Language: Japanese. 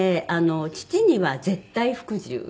父には絶対服従ですね。